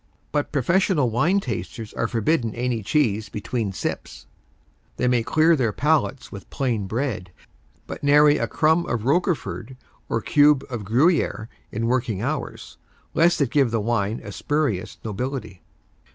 But professional wine tasters are forbidden any cheese between sips. They may clear their palates with plain bread, but nary a crumb of Roquefort or cube of Gruyère in working hours, lest it give the wine a spurious nobility.